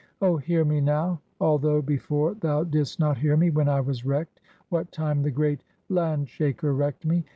Oh hear me now, although before thou didst not hear me, when I was wrecked, what time the great Land shaker wrecked me.